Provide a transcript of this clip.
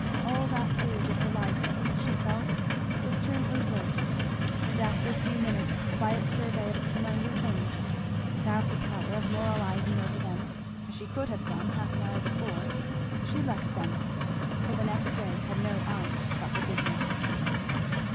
All that page of her life, she felt, was turned over; and after a few minutes' quiet survey of the familiar things, without the power of moralizing over them as she could have done half an hour before, she left them for the next day had no eyes but for business.